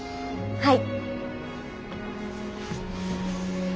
はい。